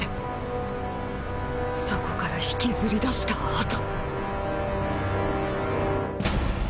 そこから引きずり出した後。